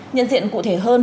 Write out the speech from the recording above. nhân diện cụ thể hơn